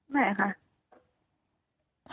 ไม่ค่ะ